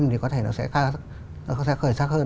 và đến cuối năm thì có thể nó sẽ khởi sắc hơn